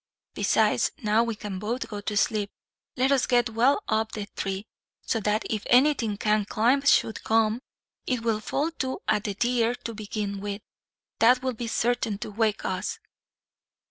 Besides, now we can both go to sleep. Let us get well up the tree, so that if anything that can climb should come, it will fall to at the deer to begin with. That will be certain to wake us."